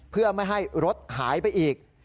เพื่อไม่ให้รถหายไปอีก